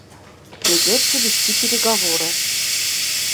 Придется вести переговоры.